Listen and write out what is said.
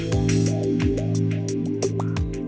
ชื่อฟอยแต่ไม่ใช่แฟง